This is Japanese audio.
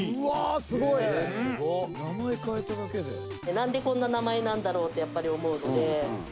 なんでこんな名前なんだろう？ってやっぱり思うので。